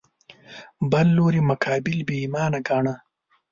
بل لوري مقابل بې ایمانه ګاڼه